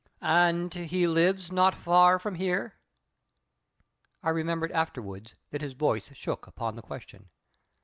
"And he lives not far from here?" I remembered afterwards that his voice shook upon the question.